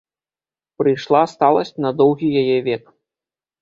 Прыйшла сталасць на доўгі яе век.